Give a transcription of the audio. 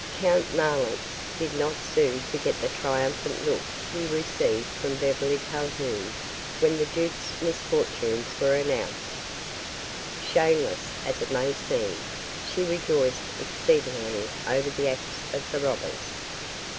Count Marlanx did not soon forget the triumphant look he received from Beverly Calhoun when the duke's misfortunes were announced. Shameless as it may seem, she rejoiced exceedingly over the acts of the robbers.